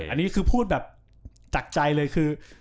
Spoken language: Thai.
อันนี้คือพูดแบบจากใจเลยคือ